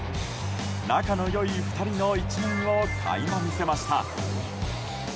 仲の良い２人の一面を垣間見せました。